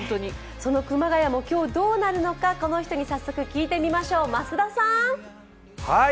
その熊谷も今日、どうなるのかこの人に早速聞いてみましょう。